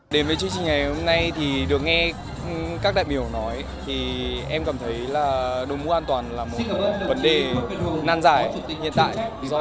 đến với chương trình ngày hôm nay thì được nghe các đại biểu nói thì em cảm thấy là đối mũ an toàn là một vấn đề năn giải hiện tại